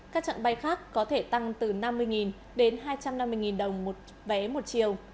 các trạng bay khác có thể tăng từ năm mươi đến hai trăm năm mươi đồng một vé một chiều